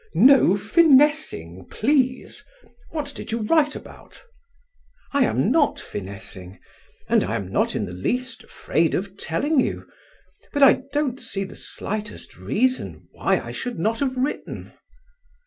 "No finessing, please. What did you write about?" "I am not finessing, and I am not in the least afraid of telling you; but I don't see the slightest reason why I should not have written."